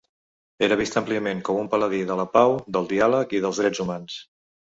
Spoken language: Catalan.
Era vist àmpliament com un paladí de la pau, del diàleg i dels drets humans.